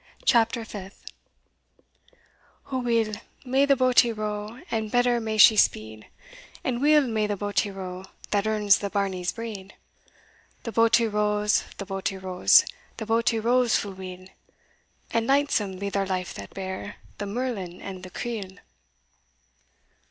CHAPTER FIFTH. O weel may the boatie row And better may she speed, And weel may the boatie row That earns the bairnies' bread! The boatie rows, the boatie rows, The boatie rows fu' weel, And lightsome be their life that bear The merlin and the creel!